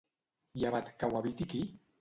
Llevat que ho eviti qui?